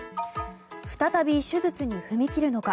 再び手術に踏み切るのか。